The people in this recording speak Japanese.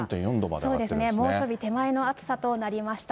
そうですね、猛暑日手前の暑さとなりました。